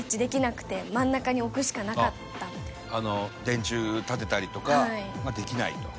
電柱立てたりとかができないと。